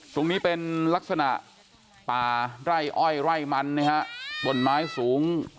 ตรงนี้เป็นลักษณะป่าไร่อ้อยไร่มันนะฮะต้นไม้สูง